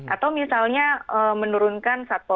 atau misalnya menurunkan satpol pp gitu